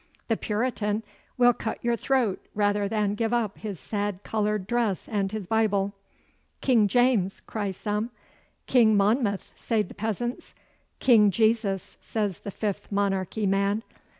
The Puritan will cut your throat rather than give up his sad coloured dress and his Bible. "King James!" cry some, "King Monmouth!" say the peasants. "King Jesus!" says the Fifth Monarchy man.